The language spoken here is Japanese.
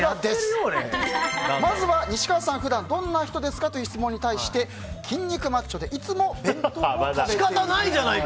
まずは西川さんは普段どんな人ですかという質問に対して、筋肉マッチョで仕方ないじゃないか！